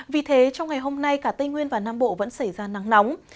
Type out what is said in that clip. vì thế trong ngày hôm nay cả tây nguyên và nam bộ vẫn xảy ra nắng nóng